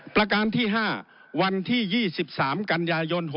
ประการที่๕วันที่๒๓กย๖๓